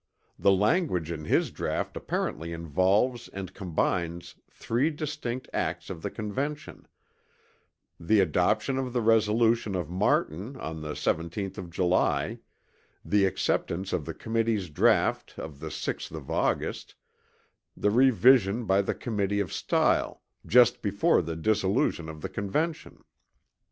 The language in his draught apparently involves and combines three distinct acts of the Convention; the adoption of the resolution of Martin on the 17th of July; the acceptance of the Committee's draught of the 6th of August; the revision by the Committee of Style, just before the dissolution of the Convention.